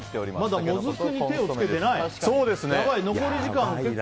まだもずくに手を付けてない。